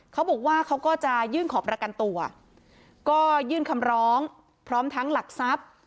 เขาก็จะยื่นขอประกันตัวก็ยื่นคำร้องพร้อมทั้งหลักทรัพย์